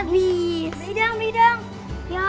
kacau aja memasuk noises